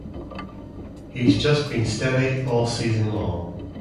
He's just been steady all season long.